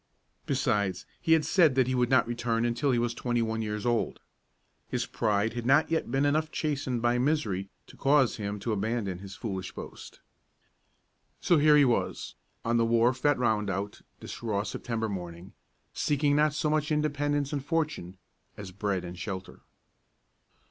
Besides, he had said that he would not return until he was twenty one years old. His pride had not yet been enough chastened by misery to cause him to abandon his foolish boast. So here he was, on the wharf at Rondout this raw September morning, seeking not so much independence and fortune as bread and shelter.